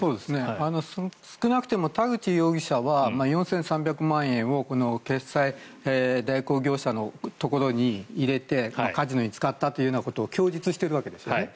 少なくとも田口容疑者は４３００万円を決済代行業者のところに入れてカジノに使ったということを供述しているわけですよね。